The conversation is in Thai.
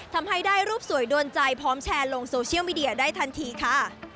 ทำให้ได้รูปสวยโดนใจพร้อมแชร์ลงโซเชียลมีเดียได้ทันทีค่ะ